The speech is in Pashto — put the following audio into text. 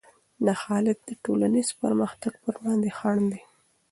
دا حالت د ټولنیز پرمختګ پر وړاندې خنډ دی.